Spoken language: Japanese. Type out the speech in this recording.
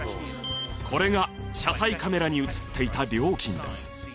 これが車載カメラに映っていた料金です。